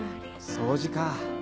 掃除か。